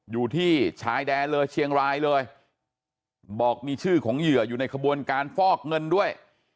อยู่ที่ชายแดนเลยเชียงรายเลยบอกมีชื่อของเหยื่ออยู่ในขบวนการฟอกเงินด้วย